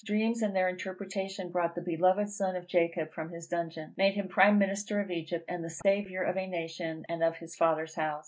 Dreams and their interpretation brought the beloved son of Jacob from his dungeon, made him prime minister of Egypt, and the saviour of a nation, and of his father's house.